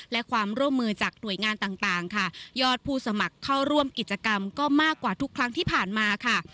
และความร่วมมือจากหน่วยงานต่างต่างค่ะยอดผู้สมัครเข้าร่วมกิจกรรมก็มากกว่าทุกครั้งที่ผ่านมาค่ะ